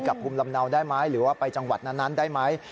ภูมิลำเนาได้ไหมหรือว่าไปจังหวัดนั้นได้ไหม